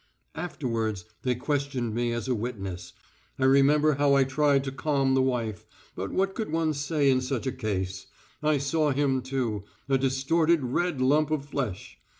Afterwards they questioned me as a witness. I remember how I tried to calm the wife, but what could one say in such a case? I saw him, too a distorted red lump of flesh.